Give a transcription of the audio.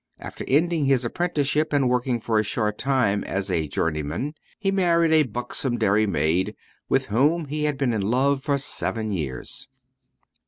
After ending his apprenticeship and working for a short time as a journeyman, he married a buxom dairymaid, with whom he had been in love for seven years.